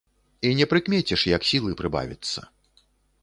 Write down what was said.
І не прыкмеціш, як сілы прыбавіцца.